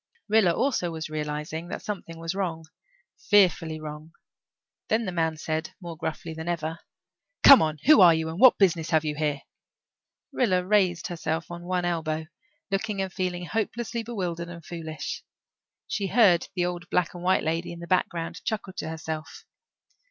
Rilla also was realizing that something was wrong fearfully wrong. Then the man said, more gruffly than ever, "Come now. Who are you and what business have you here?" Rilla raised herself on one elbow, looking and feeling hopelessly bewildered and foolish. She heard the old black and white lady in the background chuckle to herself.